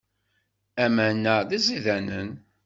Aman-a d iẓidanen.